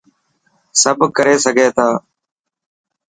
سڀ ڪري سگهي ٿا.